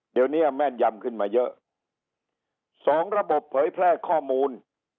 เดี๋ยวเนี้ยแม่นยำขึ้นมาเยอะสองระบบเผยแพร่ข้อมูล